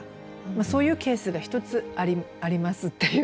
そういうケースが一つありますっていう。